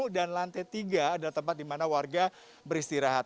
dan lantai tiga adalah tempat di mana warga beristirahat